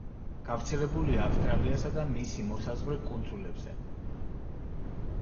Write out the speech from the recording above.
გავრცელებულია ავსტრალიასა და მისი მოსაზღვრე კუნძულებზე.